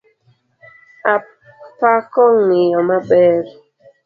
Apako ng'iyo ber.